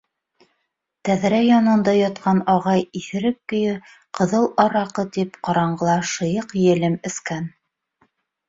Тәҙрә янында ятҡан ағай иҫерек көйө ҡыҙыл араҡы тип ҡараңғыла шыйыҡ елем эскән.